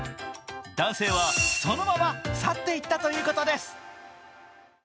男性はそのまま去っていったということです。